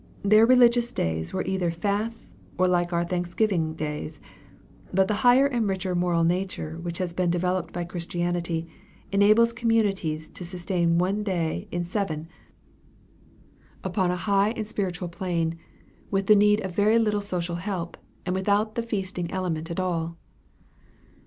Their religious days were either fasts or like our Thanksgiving days. But the higher and richer moral nature which has been developed by Christianity enables communities to sustain one day in seven upon a high spiritual plane, with the need of but very little social help, and without the feasting element at all."